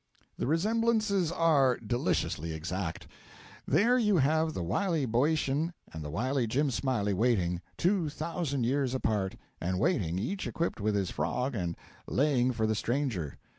The resemblances are deliciously exact. There you have the wily Boeotain and the wily Jim Smiley waiting two thousand years apart and waiting, each equipped with his frog and 'laying' for the stranger.